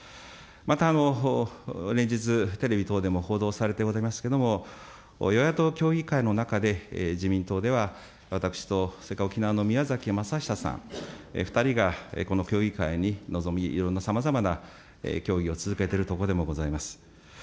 また、連日テレビ等でも報道されてございますけれども、与野党協議会の中で、自民党では私とそれから沖縄のみやざきまさひささん、２人がこの協議会に臨み、さまざまな協議を続けているところでもございます。